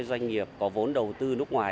doanh nghiệp có vốn đầu tư nước ngoài